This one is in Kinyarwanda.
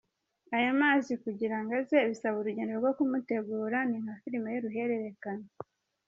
aya mazi kugira ngo aze bisaba urugendo rwo kumutegura ni nka film y’uruhererekane.